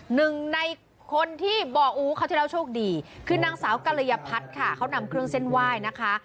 หนึ่งในคนที่บ่ออู๋คราวที่แล้วโชคดีคือนางสาวกรยพัฒน์ค่ะเขานำเครื่องเส้นไหว้นะคะ